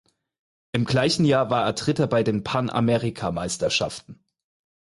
Im gleichen Jahr war er Dritter bei den Panamerikameisterschaften.